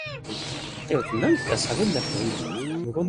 小姐，妳睇下呢隻老鼠斑，夠唔夠重夠？